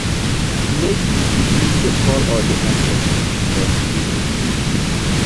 Mek yu begin de call all de ancestors because we go kill yu.